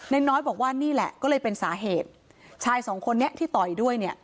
น้อยบอกว่านี่แหละก็เลยเป็นสาเหตุชายสองคนนี้ที่ต่อยด้วยเนี่ย